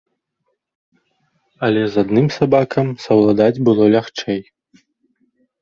Але з адным сабакам саўладаць было лягчэй.